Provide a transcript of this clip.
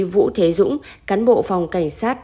vũ thế dũng cán bộ phòng cảnh sát